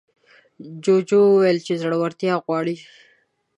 جوجو وویل زړورتيا غواړي.